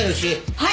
はい。